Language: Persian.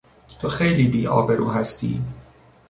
تو خیلی بیآبرو هستی!